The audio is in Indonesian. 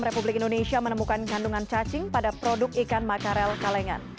republik indonesia menemukan kandungan cacing pada produk ikan makarel kalengan